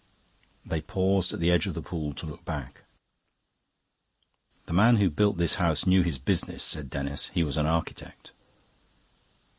They paused at the edge of the pool to look back. "The man who built this house knew his business," said Denis. "He was an architect."